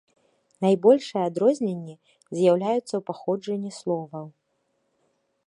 Найбольшыя адрозненні з'яўляюцца ў паходжанні словаў.